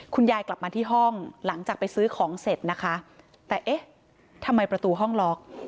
กลับมาที่ห้องหลังจากไปซื้อของเสร็จนะคะแต่เอ๊ะทำไมประตูห้องล็อก